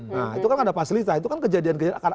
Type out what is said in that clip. nah itu kan ada fasilitas itu kan kejadian kejadian